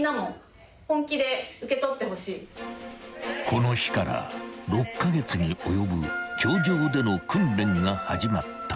［この日から６カ月に及ぶ教場での訓練が始まった］